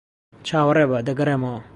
چاوەڕێبە. دەگەڕێمەوە.